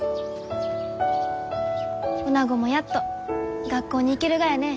おなごもやっと学校に行けるがやね。